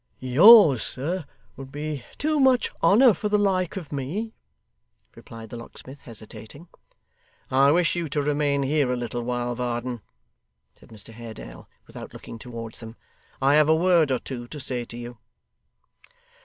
'Yours, sir, would be too much honour for the like of me,' replied the locksmith, hesitating. 'I wish you to remain here a little while, Varden,' said Mr Haredale, without looking towards them. 'I have a word or two to say to you.